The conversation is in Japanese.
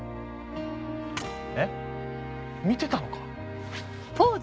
えっ見てたのか？